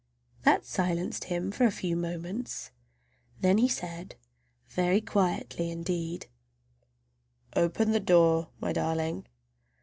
That silenced him for a few moments. Then he said—very quietly indeed, "Open the door, my darling!"